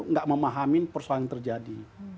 nggak memahami persoalan yang terjadi